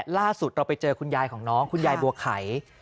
ล่าสุดเราไปเจอคุณยายของน้องคุณยายบัวไข่